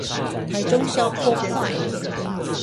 台中消波塊